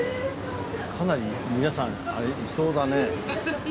かなり皆さんいそうだね。